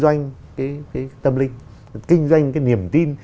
kinh doanh cái tâm lý kinh doanh cái niềm tin